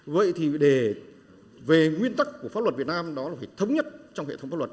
vậy thì về nguyên tắc của pháp luật việt nam đó là phải thống nhất trong hệ thống pháp luật